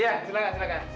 iya silahkan silahkan